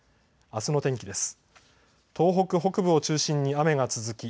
あすの天気です。